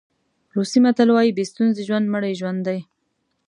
روسي متل وایي بې ستونزې ژوند مړی ژوند دی.